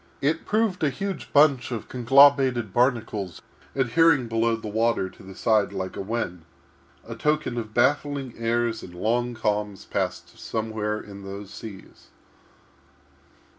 It proved a huge bunch of conglobated barnacles adhering below the water to the side like a wen—a token of baffling airs and long calms passed somewhere in those seas.